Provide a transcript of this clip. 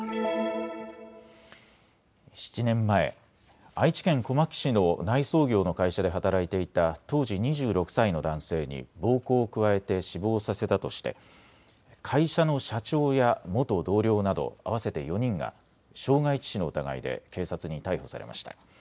７年前、愛知県小牧市の内装業の会社で働いていた当時２６歳の男性に暴行を加えて死亡させたとして会社の社長や元同僚など合わせて４人が傷害致死の疑いで警察に逮捕されました。